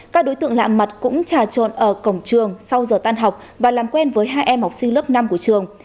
các đối tượng lạ mặt cũng trà trộn ở cổng trường sau giờ tan học và làm quen với hai em học sinh lớp năm của trường